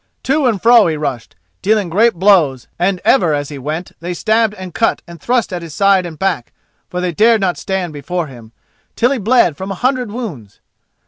To and fro he rushed, dealing great blows, and ever as he went they stabbed and cut and thrust at his side and back, for they dared not stand before him, till he bled from a hundred wounds.